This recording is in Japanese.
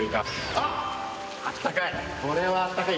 あったかい。